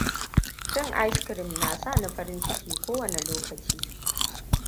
Cin ice cream na sani farin ciki kowane lokaci.